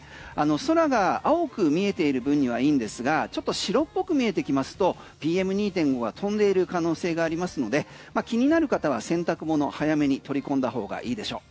空が青く見えている分にはいいんですが、ちょっと白っぽく見えてきますとＰＭ２．５が飛んでいる可能性がありますので、気になる方は洗濯物早めに取り込んだ方がいいでしょう。